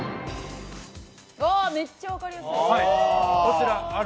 うわ、めっちゃ分かりやすい。